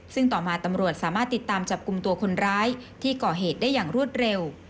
ซึ่งต่อมาตำรวจสามารถติดตามจับกลุ่มตัวคนร้ายที่ก่อเหตุได้อย่างรวดเร็ว